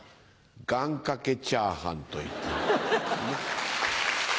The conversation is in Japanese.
「ガンカケチャーハン」といって。